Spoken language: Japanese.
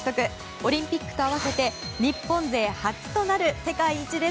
オリンピックと合わせて日本勢初となる世界一です。